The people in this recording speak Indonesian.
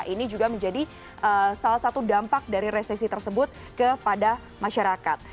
ini juga menjadi salah satu dampak dari resesi tersebut kepada masyarakat